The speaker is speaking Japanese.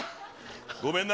ごめんな。